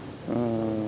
vào đồ án quy hoạch